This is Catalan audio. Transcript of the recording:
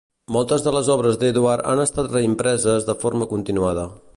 Moltes de les obres d"Edward han estat reimpreses de forma continuada.